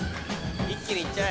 一気に行っちゃえ。